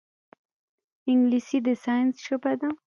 انګلیسي د ساینس ژبه ده